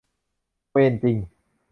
เวรจริง